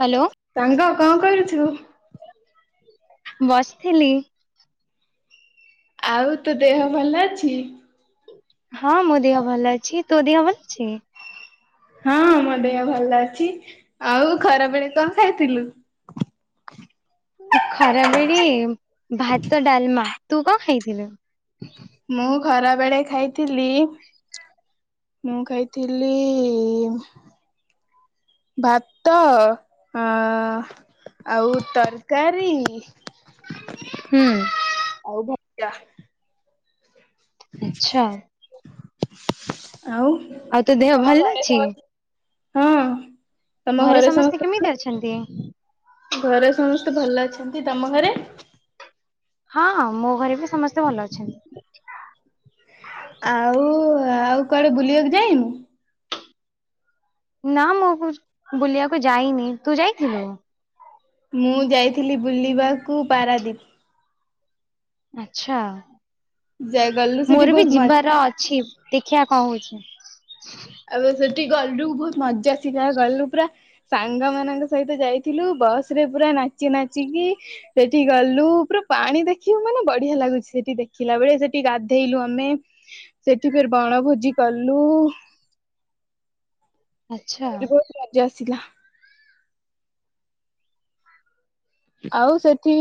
Hello ସାଙ୍ଗ କଣ କରୁଛୁ? ବସିଥିଲି। ଆଉ ତୋ ଦେହ ଭଲ ଅଛି? ହଁ ମୋ ଦେହ ଭଲ ଅଛି ତ ଦେହ ଭଲ ଅଛି? ହଁ ମୋ ଦେହ ଭଲ ଅଛି। ଆଉ ଖରା ବେଳେ କଣ ଖାଇଥିଲୁ? [inaudible] ଖରାବେଳେ ଭାତ ଡାଲମା ତୁ କଣ ଖାଇଥିଲୁ? ମୁଁ ଖରା ବେଳେ ଖାଇଥିଲି ମୁଁ ଖାଇଥିଲି ଭାତ ହଁ ଆଉ ତରକାରୀ। ହୁଁ। ଯା। ଆଚ୍ଛା। ଆଉ ଆଉ ତୋ ଦେହ ଭଲ ଘରେ ଅଛି? ସମସ୍ତେ? ହଁ। ତମ ଘରେ ସମସ୍ତେ ଭଲ। ଘରେ ସମସ୍ତେ ଭଲ ଅଛନ୍ତି। ତମ ଘରେ? ହଁ ମୋ ଘରେ ବି ସମସ୍ତେ ଭଲ ଅଛନ୍ତି। ଆଉ ଆଉ କୁଆଡେ ବୁଲିବାକୁ ଯାଇନୁ? ନା ମୁଁ ବୁଲିବାକୁ ଯାଇନି ତୁ ଯାଇଥିଲୁ? ମୁଁ ଯାଇଥିଲି ବୁଲିବାକୁ ପାରାଦୀପ। ଆଛା। ଯା ଗଲୁ ସେଠି ମୋର ବି ବହୁତ ମଜା ଯିବାର ହେଲା ଅଛି। ଦେଖିବା କଣ ହଉଛି। ଆମେ ସେଠି ଗଲୁ ବହୁତ ମଜା ଗଲୁ ପୁରା ସାଙ୍ଗ ମାନଙ୍କ ସହିତ ଯାଇଥିଲୁ। ବସ୍ ରେ ପୁରା ନାଚି ନାଚିକି ସେଠି ଗଲୁ ପୁରା ପାଣି ଦେଖିବୁ ମାନେ ବଢିଆ ଲାଗୁଛି। ସେଠି ଦେଖିଲା ବେଳେ ସେଠି ଗାଧେଇଲୁ। ଆମେ ସେଠି ଫେର ବଣଭୋଜି କଲୁ। [inaudible] ଆଚ୍ଛା ସେଠି ବହୁତ ମଜା ଆସିଲା। ଆଉ ସେଠି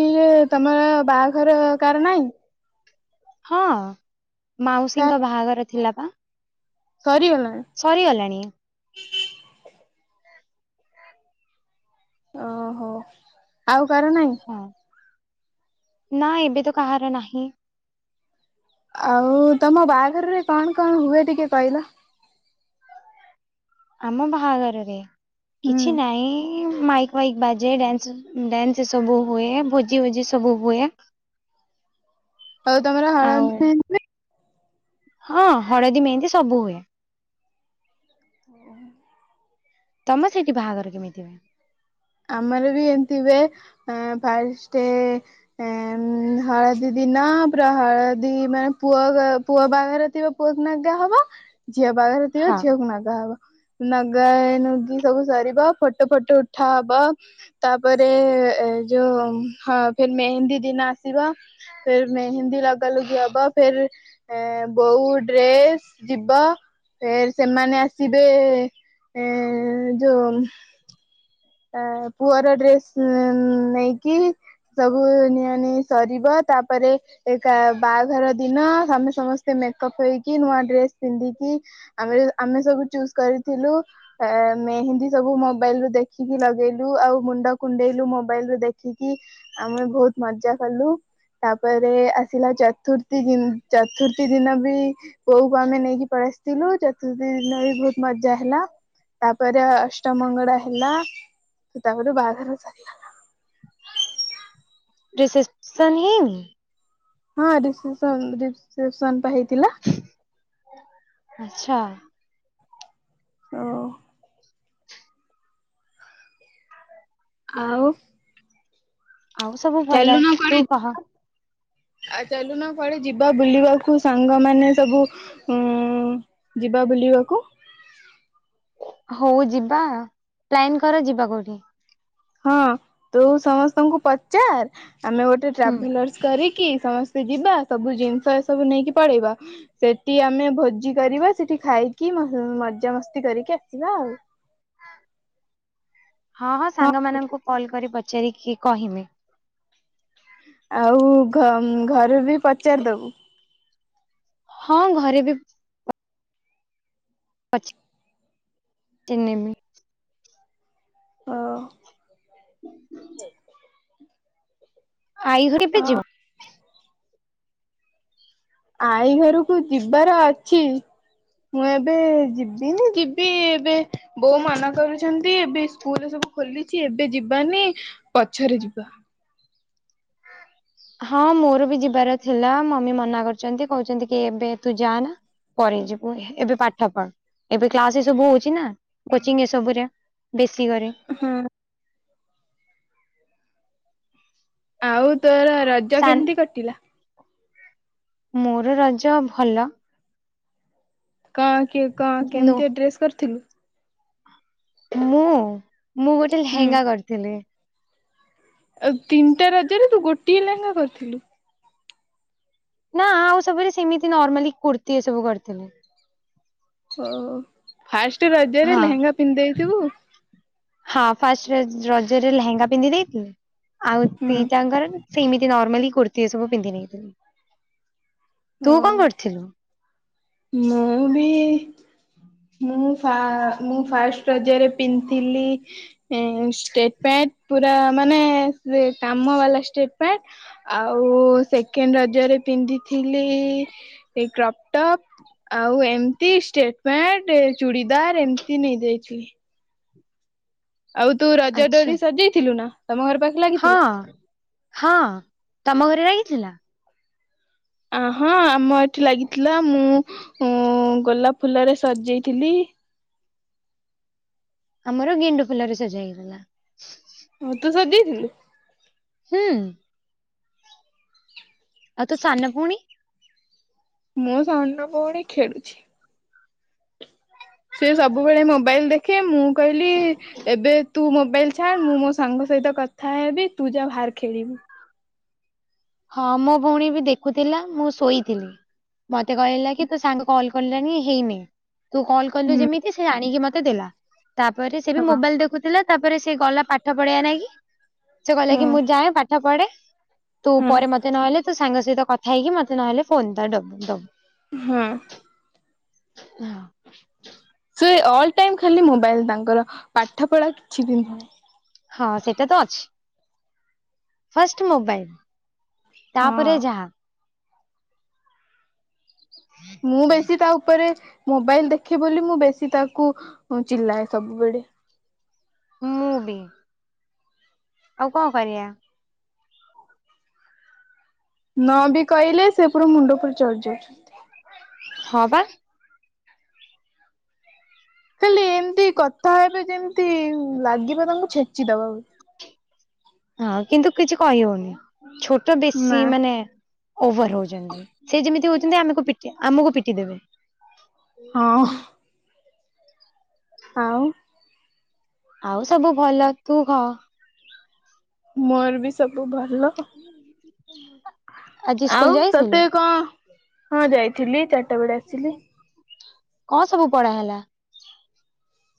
ତମର ବାହାଘର କାର ନାଇଁ? ହଁ କା ମାଉସୀଙ୍କ ବାହାଘର ଥିଲା ପା। ସରିଗଲାଣି ସରିଗଲାଣି। ଓହୋ ଆଉ କାର ନାହିଁ। ହଁ। ନା ଏବେ ତ କାହାର ନାହିଁ। ଆଉ ତମ ବାହାଘରରେ କଣ କଣ ହୁଏ ଟିକେ କହିଲ? ଆମ ବାହାଘରରେ କିଛି ହୁଁ ନାଇଁ ମାଇକ ଫାଇକ୍ ବାଜେ ଡ୍ୟାନସ ଡ୍ୟାନ୍ସ ସବୁ ହୁଏ ଭୋଜି ଭୋଜି ସବୁ ହୁଏ। ଆଉ ତମର ଆଉ ହଳଦୀ ମେହେନ୍ଦି ନାହିଁ? ହଁ ହଳଦୀ ମେହେନ୍ଦି ସବୁ ହୁଏ। ଓ ହୋ। ତମେ ସେଇଠି ବାହାଘର କେମିତି ହୁଏ? ଆମର ବି ଏମିତି ହୁଏ ଅଁ ଫାଷ୍ଟେ ଏଁ ହଳଦୀ ଦି କିନା ପୁରା ହଳଦି ମାନେ ପୁଅ ଗ ପୁଅ ବାଘରେ ଥିବା ପୁଅକୁ ନଗା ହବ ଝିଅ ବାହାଘରେ ଥିବ ହଁ ଝିଅକୁ ନାଗା ହବ ନାଗା ନୁଗି ସବୁ ସରିବା ଫଟୋ ଫଟୋ ଉଠି ଠା ହବ ତାପରେ ଏ ଯୋଉ ହଁ ଫେ ମେହେନ୍ଦୀ ଦିନ ଆସ ବ ଫେରେ ମେହିନ୍ଦୀ ଲଗା ଲୁଗି ହବ ଫେର ଅଁ ବୋଉ ଡ୍ରେସ ଯିବା ଫେରେ ସେମାନେ ଆସିବେ ଏଁ ଯୋ ଅଁ ପୁଅର ଡ୍ରେସ୍ ନେଇକି ସବୁ ନିଆ ନୁଇ ସରିବ ତାପରେ ଏକା ବାହାଘର ଦିନ ଆମେ ସମସ୍ତେ ମେକଅପ୍ ହେଇକି କି ନୂଆ ଡ୍ରେସ ପିନ୍ଧିକି ଆମେ ଆମେ ସବୁ ଚୁସ୍ କରିଥିଲୁ ଆ ମେହନ୍ଦୀ ସବୁ ମୋବାଇଲ ରୁ ଦେ ଦେଖିକି ଲଗେଇଲୁ ଆଉ ମୁଣ୍ଡ କୁଣ୍ଡେଇଲୁ ମୋବାଇଲ ରୁ ଦେଖିକି, ଆମେ ବହୁତ ମଜା କଲୁ। ତାପରେ ଆସିଲା ଚତୁର୍ଥୀ ଦି, ଚତୁର୍ଥୀ ଦିନ ବି ବୋଉକୁ ଆମେ ନେଇକି ପଳେଇ ଆସିଥିଲୁ। ଚତୁର୍ଥୀ ଦିନ ବି ବହୁତ ମଜା ହେଲା। ତାପରେ ଅଷ୍ଟମଙ୍ଗଳା ହେଲା। ତା ପରେ ବାହା ଘର ସରିଲା ରିସେପ୍ସନ ହେଇନି? ହଁ ରିସେପ୍ସନ ରେ, ରିସେପ୍ସନ ପା ହେଇଥିଲା। ଆଚ୍ଛା। ହଁ। ଆଉ। ଆଉ ସବୁ ଭଲ। ତୁ କହ। ହ ଆଉ ଚାଲୁନା କୁଆଡେ ଯିବା ବୁଲିବାକୁ। ସାଙ୍ଗମାନୋନ ସବୁ ଉ ଯିବା ବୁଲିବା ଯିବାକୁ। ହଉ ଯିବା ପ୍ଲାନ କର ଯିବା କୋଉଠି? ହଁ ତୁ ସମସ୍ତଙ୍କୁ ପଚାର ଆମେ ଗୋଟେ ହୁଁ ଟ୍ରାଭେଲର୍ସ କରିକି ସମସ୍ତ ସେ ଯିବା ସବୁ ଜିନିଷ ଏ ସବୁ ନେଇକି ପଳେଇବା। ସେଠି ଆମେ ଭୋଜି କରିବା ସେଠି ଖାଇକି ମଜାମସ୍ତି କରିକି ଆସିବା ଆଉ। ହଁ, ହଁ ସାଙ୍ଗ ମାନଙ୍କୁ କଲ କରି ପଚାରିକି କହମି। ଆଉ ଘ, ଘରେ ବି ପଚାରି ଦବୁ। ହଁ ଘରେ ବି ଟି, ନେବି। ହଉ। ଆଇ ଘରେ ବି ଅ ଯିବୁ? ଆଈ ଘରକୁ ଯିବାର ଅଛି। ମୁଁ ଏବେ ଯିବିନି, ଯିବି ଏବେ ବୋଉ ମନ କରୁଛନ୍ତି। ଏବେ ସ୍କୁଲ ସବୁ ଖୋଲିଛି, ଏବେ ଯିବାନି ପଛରେ ଯିବା। ହଁ ମୋର ବି ଯିବାର ଥିଲା। ମମି ମନା କରୁଛନ୍ତି କହୁଛନ୍ତି କି ଏବେ ତୁ ଯା ନା ପରେ ଯିବୁ। ଏବେ ପାଠ ପଢ, ଏବେ କ୍ଲାସ ସବୁ ହଉଛି ନା। କୋଚିଂ ଏ ସବୁରେ ବେଶୀ କରେ। ଆଉ ତୋର ରଜ ସାନ୍ କେମିତି କଟିଲା? ମୋର ରଜ ଭଲ। କଣ କି, କଣ ନୁ କେମିତିଆ, ଡ୍ରେସ କରିଥିଲୁ? ମୁଁ, ମୁଁ ଗୋଟେ ହୁଁ ଲେହେଙ୍ଗା କରିଥିଲି। ଆଉ ତିନିଟା ରାଜରେ ତୁ ଗୋଟିଏ ଲେହେଙ୍ଗା କରିଥିଲୁ? ନା ଆଉ ସବୁରେ ସେମିତି ନର୍ମାଲି କୁର୍ତ୍ତିୀ ଏ ସବୁ କରିଥିଲେ। ଓ ଫାଷ୍ଟ ରଜରେ ହଁ ଲେହେଙ୍ଗା ପିନ୍ଧିଦେଇଥିବୁ? ହଁ ଫାଷ୍ଟ ରଜ ରଜରେ ଲେହେଙ୍ଗା ପିନ୍ଧି ଦେଇଥିଲି ଆଉ ହୁଁ ଦିଟାଙ୍କର ସେମିତି ନାର୍ମାଲୀ କୁର୍ତ୍ତୀ ଏ ସବୁ ପିନ୍ଧି ନେଇଥିଲି। ଓ ତୁ କଣ, କରିଥିଲୁ? ମୁଁ ବି ମୁଁ ଫା, ମୁଁ ଫାଷ୍ଟ ରଜରେ ପିନ୍ଧଥିଲି। ହ ଷ୍ଟେଟ ପ୍ୟା [unintelligible] ପୁରା ମାନେ କାମ ବାଲା ଷ୍ଟେପ ପ୍ୟାଡ। ଆଉ ସେକେଣ୍ଡ ରଜରେ ପିନ୍ଧି ପିଧିଥିଲି କ୍ରପ୍ଟପ୍। ଆଉ ଏମିତି ଷ୍ଟେଟମେଣ୍ଟ ଚୁଡିଦାର ଏମତି ନେଇଯାଇଥିଲି। ଆଉ ତୁ ରଜ ଆଚ୍ଛା ଡୋରି ସଜେଇଥିଲୁ ନା? ତମ ଘର ପାଖେ ହଁ, ଲାଗିଥିଲା? ହଁ ତମ ଘରେ ଲାଗିଥିଲା? ଅ ହଁ ଆମ ଏଠି ଲାଗିଥିଲା। ମୁଁ, ଉଁ ଗୋଲାପ ଫୁଲରେ ସଜେଇଥିଲି? ଆମର ଗେଣ୍ଡୁ ଫୁଲରେ ସଜା ହେଇଗଲା [unintelligible] ହଁ ତୁ ସଜେଇଥିଲୁ ହୁଁ ଆଉ ତୁ ସାନଭଉଣୀ ମୁଁ ସାନ [unintelligible] ପୋଉଣୀ ଖେଳୁଛି ସେ ସବୁବେଳେ ମୋବାଇଲ ଦେଖେ ମୁଁ କହିଲି ଏବେ ତୁ ମୋବାଇଲ ଛାଡ ମୁଁ ମୋ ସାଙ୍ଗ ସହିତ କଥା ହେବି ତୁ ଯା ବାହାର ଖେଳିବୁ ହଁ ମୋ ଭଉଣୀ ବି ଦେଖୁଥିଲା ମୁଁ ଶୋଇଥିଲି ମତେ କହିଲା କି ତୁ ସାଙ୍ଗ କଲ କିଲଣି ହେଇନି ତୁ କଲ କଲୁ ହୁଁ ଯେମିତି ସେ ଆଣିକି ମତେ ଦେଲା ତାପରେ ସେ ବି ହଁ। ମୋବାଇଲ ଦେଖୁଥିଲା ତାପରେ ସେ ଗଲା ପାଠ ପଢଆ ନାଇଁ କିି ସେ କହିଲା ହଁ କି ମୁଁ ଯାଏଁ ପାଠ ପଢେ ତୁ ହଁ ପରେ ମତେ ନହେଲେ ତୁ ସାଙ୍ଗ ସହିତ କଥା ହେଇକି ମତେ ନହେଲେ ଫୋନ ଡ଼ା ଦବୁ ଦବୁ ହଁ ସେ ଅଲ ଟାଇମ ଖାଲି ମୋବାଇଲ ତାଙ୍କର ପାଠ ପଢା କିଛି ବି ନୁହଁ ହଁ ସେଟ ତ ଅଛି ଫାଷ୍ଟ ମୋବାଇଲ ହଁ ତାପରେ ଯାହା ମୁଁ ବେଶୀ ତା ଉପରେ ମୋବାଇଲ ଦେଖେ ବୋଲି ମୁଁ ବେଶୀ ତାକୁ ଚିଲାଏ ସବୁବେଳେ ମୂବି ଆଉ କଣ କରିବା ନ ବି କହିଲେ ସେ ପୁର ମୁଣ୍ଡପୁର ଚଢି ଯାଉଛନ୍ତି ହଁ ବା ଖାଲି ଏମତି କଥା ହେବେ ଯେମିତି ଲାଗିବ ତାଙ୍କୁ ଛେଚିଦବା [unintelligible] ହଁ କିନ୍ତୁ କିଛି କହି ହଉନି ଛୋଟ ବେଶୀ ନା ମାନେ ଓଭର ହଉଛନ୍ତି ସେ ଯେମିତି ହଉଛନ୍ତି ଆମକୁ ପିଟି ଆମକୁ ପିଟି ଦେବେ ହଁ ଅ ଆଉ ଆଉ ସବୁ ଭଲ ତୁ କଅ ମୋର ବି ସବୁ ଭଲ ହଲ ଆଜି ସ୍କୁଲ ଆଉ ଯାଇଥିଲୁ ତତେ କଣ ହଁ ଯାଇଥିଲି ଚାରିଟା ବେଳେ ଆସିଲି କଣ ସବୁ ପଢା ହେଲା?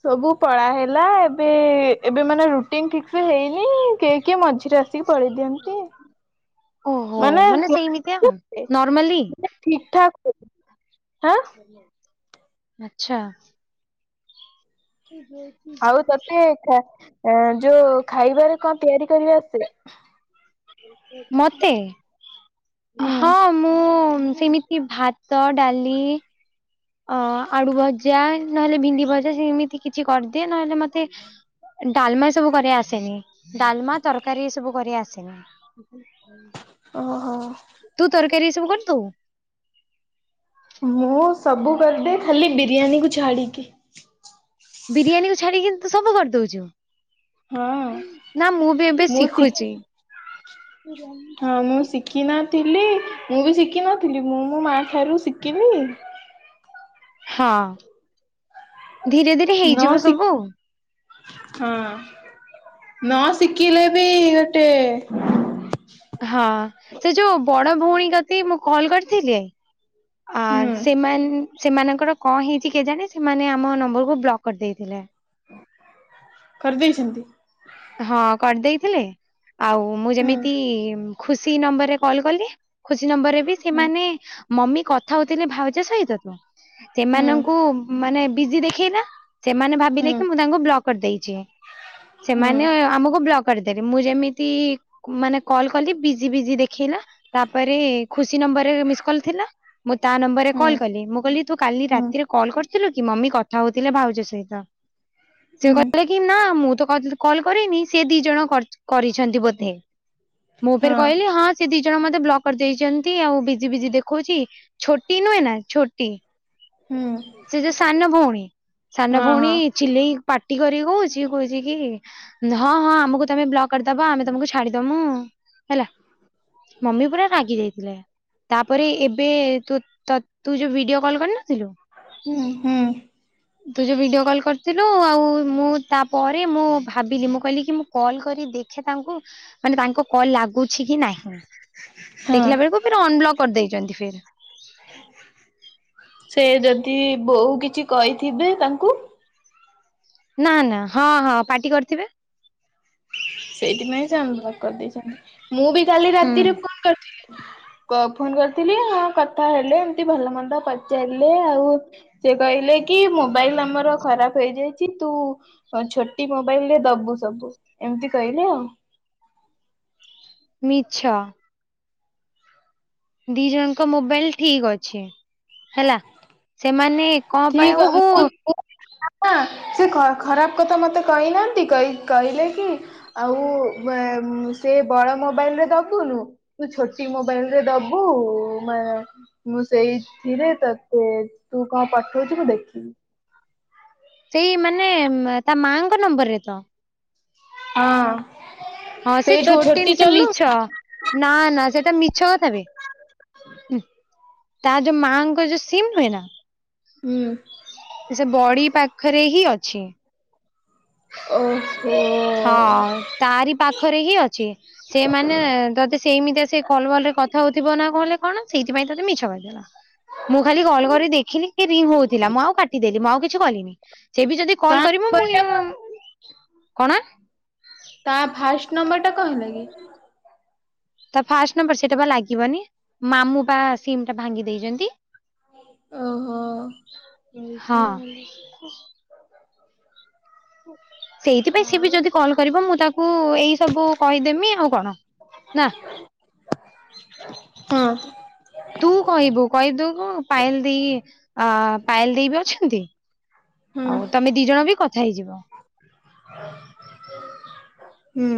ସବୁ ପଳାହଲା ଏବେ ଏବେ ମାନେ ରୁଟିନ ଠିକସ ହେଇନି କି କିଏ ମଝିରେ ସେଥିରେ ଆସିକି ପଳେଇ ଦିଅନ୍ତି ଓହୋ ମାନେ ସେମିତିଆ ନର୍ମାଲି ଠିକ ଠାକ ହଁ ଆଚ୍ଛା ଆଉ ତତେ ଯୋଉ ଖାଇବାରେ କଣ ତିଆରି କରିବା ଆସେ ମୋତେ ହୁଁ। ହଁ ମୁଁ ସେମିତି ଭାତ ଡାଲି ଅ ଆଳୁ ଭଜା ନହେଲେ ଭେଣ୍ଡି ଭଜା ସେମିତି କିଛି କରିଦିଏ ନହେଲେ ମତେ ଡାଲମା ସବୁ କରି ଆସେନି ଡାଲମା ତରକାରୀ ସବୁ କରି ଆସେନି ଓହୋ ତୁ ତରକାରୀ ସବୁ କରଦୁ ମୁଁ ସବୁ କରିଦେ ଖାଲି ବିରିୟାନୀ କୁ ଛାଡିକି ବିରିୟାନୀ କୁ ଛାଡିକି ତୁ ସବୁ କରିଦଉଛୁ ହଁ ନା ମୁଁ ବି ଏବେ ମୁଁ ଶିଖି ଶିଖୁଛି ହଁ ମୁଁ ଶିଖି ନା ଥିଲି ମୁଁ ବି ଶିଖିନଥିଲି ମୁଁ ମୋ ମାଆ ଠାରୁ ଶିଖିଲି ହଁ ଧୀରେ ଧୀରେ ନ ହେଇଯିବ ଶିଖ ସବୁ ହଁ ନ ଶିଖିଲେ ବି ଗୋଟେ ହଁ ସେ ଯୋଉ ବଡ ଭଉଣୀ କତି ମୁଁ କଲ କରିଥିଲି ଅ ହୁଁ ସେମାନେ ସେମାନଙ୍କର କଣ ହେଇଚି କେଜାଣି ସେମାନେ ଆମ ନମ୍ବର କୁ ବ୍ଲକ କରିଦେଇଥିଲେ। କରିଦେଇଛନ୍ତି? ହଁ କରିଦେଇଥିଲେ ଆଉ ମୁଁ ହୁଁ ଯେମିତି ଖୁସି ନମ୍ବର ରେ କଲ କଲି ଖୁସି ନମ୍ବର ରେ ବି ହୁଁ ସେମାନେ ମମି କଥା ହଉଥିଲେ ଭାଉଜ ସହିତ ତ ହୁଁ ସେମାନଙ୍କୁ ମାନେ ବିଜି ଦେଖେଇଲା ସେମାନେ ଭାବିଲେ ହୁଁ କି ମୁଁ ତାଙ୍କୁ ବ୍ଲକ କରିଦେଇଛି। ହୁଁ। ସେମାନେ ଆମକୁ ବ୍ଲକ କରିଦେଲେ ମୁଁ ଯେମିତି ମାନେ କଲ କଲି ବିଜି ବିଜି ଦେଖେଇଲା ତାପରେ ଖୁସି ନ ନମ୍ବର ରେ ମିସ୍କଲ ଥିଲା ମୁଁ ତା ନମ୍ବର ରେ ହୁଁ କଲ୍ କଲି ମୁଁ କହିଲି ତୁ କାଲି ହୁଁ ରାତିରେ କଲ୍ କରି ଥିଲୁ କି ମମି କଥା ହଉଥିଲେ ଭାଉଜ ସହିତ ସେ ହୁଁ କହିଲେ କି ନା ମୁଁ ତ କରିନଥିଲି କଲ କରିନି ସେ ଦି ଜଣ କରି କରିଛନ୍ତି ବୋଧେ ମୁଁ ଫେରେ କହିଲି ହଁ ସେ ଦି ଜଣ ଜଣ ମତେ ବ୍ଲକ ଦେଇଛନ୍ତି ଆଉ ବିଜି ବିଜି ଦେଖଉଛି ଛୋଟି ନୁହେଁ ନା ଛୋଟି। ହୁଁ ହଁ ସେ ଯୋଉ ସାନ ଭଉଣୀ ସାନ ଭଉଣୀ ହଁ। ଚିଲେଇ ପାଟି କରି କହୁଛି କହୁଚି କି ହଁ ହଁ ଆମକୁ ତମେ ବ୍ଲକ କରିଦବା ଆମେ ତମକୁ ଛାଡିଦମୁ ହେଲା ମମି ପୁରା ରାଗି ଯାଇଥିଲେ। ତାପରେ ଏବେ ତୁ ତ ଯୋଉ ଭିଡିଓ କଲ କରିନଥିଲୁ। ଉଁ ହୁଁ। ତୁ ଯୋଉ ଭିଡିଓ କଲ୍ କରିଥିଲୁ ଆଉ ମୁଁ ତାପରେ ମୁଁ ଭାବିଲି ମୁଁ କହିଲି କି ମୁଁ କଲ୍ କରି ଦେଖେ ତାଙ୍କୁ ମାନେ ତାଙ୍କ କଲ ଲାଗୁଛି କି ନାହିଁ ହଁ। ଦେଖିଲା ବେଳକୁ ଫିର୍ ଅନବ୍ଲକ କରିଦେଇଛନ୍ତି ଫିର୍। ସେ ଯଦି ବୋଉ କିଛି କହିଥିବେ ତାଙ୍କୁ? ନା ନା ହଁ ହଁ ପାଟି କରିଥିବେ? ସେଇଥିପାଇଁ ସେ ଅନ୍ ବ୍ଲକ କରିଦେଇଛନ୍ତି ମୁଁ ବି କାଲି ହୁଁ ରାତିରେ ଫୋନ କରିଥିଲି। ଫୋନ କରିଥିଲି ହଁ କଥା ହେଲେ ଏମତି ଭଲ ମନ୍ଦ ପଚାରିଲେ ଆଉ ସେ କହିଲେ କି ମୋବାଇଲ ଆମର ଖରାପ ହେଇଯାଇଛି ତୁ ଛୋଟି ମୋବାଇଲରେ ଦବୁ ସବୁ ଏମତି କହିଲେ ଆଉ। ମିଛ। ଦି ଜଣଙ୍କ ମୋବାଇଲ ଠିକ୍ ଅଛି ହେଲା ସେମାନେ କଣ ପାଇଁ ଓହୋ [unintelligible] ଅପା ସେ ଖ ସେ ଖରାପ କଥା ମତେ କହିନାହାନ୍ତି କ‌ଇ-କହିଲେ କି ଆଉ ସେ ବଡ ମୋବାଇଲରେ ଦୋବୁନୁ ତୁ ଛୋଟି ମୋବାଇଲ ରେ ଦୋ ବୁ ମାନେ ମୁଁ ସେଇଥିରେ ତତେ ତୁ କଣ ପ ଠୋଉଚି ମୁଁ ଦେଖିବି। ସେଇ ମାନେ ତା ମାଙ୍କ ନମ୍ବରରେ ତ? ହଁ। ହଁ ସେ ସେଇଟା ଛୋଟି ଛୋଟନ୍ ସେ ଚଲୁ ମିଛ ନା ନା ସେଟା ମିଛ କଥା ବି। [unintelligible] ତା ଯୋଉ ମାଆଙ୍କର ଯୋଉ ସିମ୍ ନୁହେଁ ନା ହୁଁ। ସେ ବଡି ପାଖରେ ହିଁ ଅଛି। ଓହୋ ହଁ ତାରି ପାଖରେ ହିଁ ଅଛି। ସେମାନେ ତତେ ସେ ମିତିଆ ସେ କଲ୍ ଫଲ୍ କଥା ହୋଉଥିବ ନାଁ କଣ [unintelligible] ସେଇଥିପାଇଁ ତତେ ମିଛ କହି ଦେଲା। ମୁଁ ଖାଲି କଲ୍ କରି ଦେଖିଲି କି ରିଙ୍ଗ ହୋଉଥିଲା। ମୁଁ ଆଉ କାଟିଦେଲି ମୁଁ ଆଉ କିଛି କଲିନି। ସେ ବି ଯଦି ତା କଲ୍ କରିବ ମୁଁଇ ନମ୍ବରଟା କଣ? ତା ଫାଷ୍ଟ ନମ୍ବରଟା କହିନ କି? ତା ଫାଷ୍ଟ ନମ୍ବର ସେଟା ବା ଲାଗିବନି ମାମୁଁ ପା ସିମ୍ ଟା ଭାଙ୍ଗି ଦେଇଚନ୍ତି। ଓହୋ। ଏ ହଁ। ସେଇଥି ପାଇଁ ସି ବି ଆଉ ଯଦି କଲ୍ କରିବ। ମୁଁ ତାକୁ ଏଇ ସବୁ କହିଦେମି ଆଉ କଣ ନା ହଁ ତୁ କହିବୁ କହି ଦୋଉନୁ ପାଏଲ ଦି ଅ ପାଏଲ ଦେଇ ବି ଅଛନ୍ତି? ହୁଁ ଆଉ ତମେ ଦି ଜଣ ବି କଥା ହେଇଯିବ। ହୁଁ।